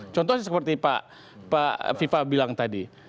contohnya seperti pak viva bilang tadi